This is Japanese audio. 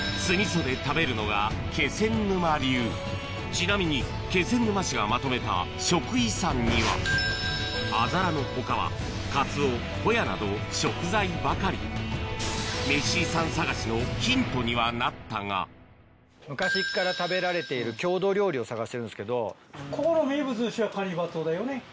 ちなみに気仙沼市がまとめた食遺産にはあざらの他はカツオホヤなど食材ばかりメシ遺産探しのヒントにはなったが昔っから食べられている郷土料理を探してるんですけど。